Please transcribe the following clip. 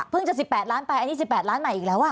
เพิ่งจะ๑๘ล้านบาทไปอันนี้๑๘ล้านบาทใหม่อีกแล้ว